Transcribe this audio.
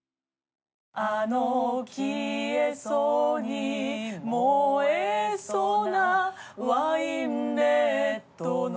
「あの消えそうに燃えそうなワインレッドの」